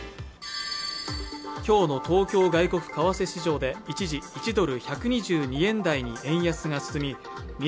きょうの東京外国為替市場で一時１ドル＝１２２円台に円安が進み